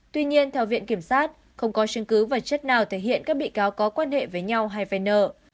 tuy nhiên theo viện kiểm sát không có chứng cứ vật chất nào thể hiện các bị cáo có quan hệ với nhau hay phen nợ